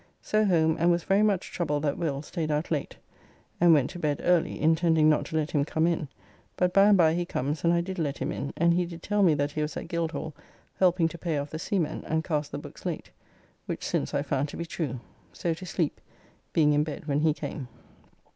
So home, and was very much troubled that Will. staid out late, and went to bed early, intending not to let him come in, but by and by he comes and I did let him in, and he did tell me that he was at Guildhall helping to pay off the seamen, and cast the books late. Which since I found to be true. So to sleep, being in bed when he came.